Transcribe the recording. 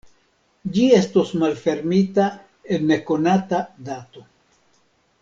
Ĝi estos malfermita en nekonata dato.